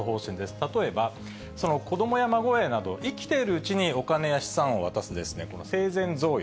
例えば、その子どもや孫へなど、生きているうちにお金や資産を渡すこの生前贈与。